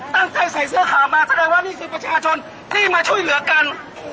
ใส่เสื้อขาวมาแสดงว่านี่คือประชาชนที่มาช่วยเหลือกัน